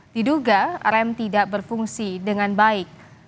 diduga rem tidak berfungsi dengan baik